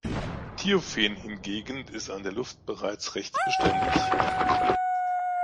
Thiophen hingegen ist an der Luft bereits recht beständig.